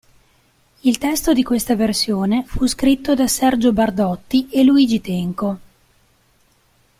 Il testo di questa versione fu scritto da Sergio Bardotti e Luigi Tenco.